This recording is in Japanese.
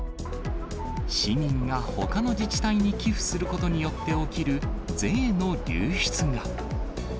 市民がほかの自治体に寄付することによって起きる税の流出が。